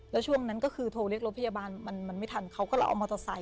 แล้วช่วงนั้นก็คือโทรเรียกรถพยาบาลมันไม่ทันเขาก็เราเอามอเตอร์ไซค